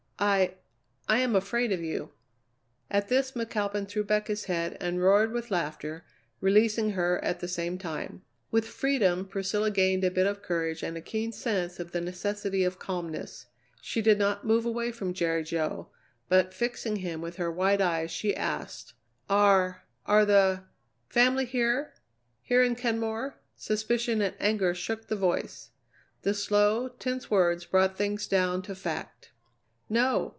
"I I am afraid of you!" At this McAlpin threw back his head and roared with laughter, releasing her at the same time. With freedom Priscilla gained a bit of courage and a keen sense of the necessity of calmness. She did not move away from Jerry Jo, but fixing him with her wide eyes she asked: "Are are the family here here in Kenmore?" Suspicion and anger shook the voice. The slow, tense words brought things down to fact. "No!